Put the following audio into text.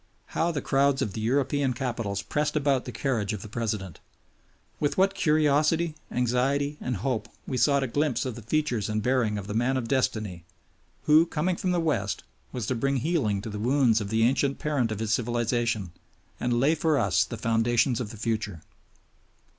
How the crowds of the European capitals pressed about the carriage of the President! With what curiosity, anxiety, and hope we sought a glimpse of the features and bearing of the man of destiny who, coming from the West, was to bring healing to the wounds of the ancient parent of his civilization and lay for us the foundations of the future.